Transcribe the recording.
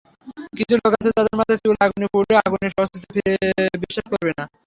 কিছু লোক আছে যাদের মাথার চুল আগুনে পুড়লেও আগুনের অস্তিত্ব বিশ্বাস করবে না।